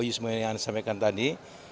yang saya sampaikan tadi